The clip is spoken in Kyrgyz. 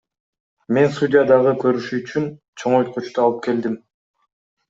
Мен судья дагы көрүшү үчүн чоңойткучту алып келдим.